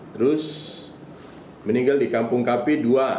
terus meninggal di kampung kapi dua dua puluh delapan